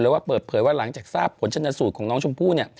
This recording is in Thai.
ว่าเปิดเผยว่าหลังจากทราบผลชนสูตรของน้องชมพู่